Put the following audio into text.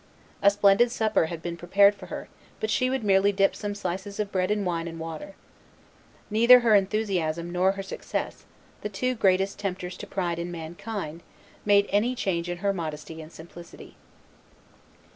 A splendid supper had been prepared for her; but she would merely dip some slices of bread in wine and water. Neither her enthusiasm nor her success, the two greatest tempters to pride in mankind, made any change in her modesty and simplicity.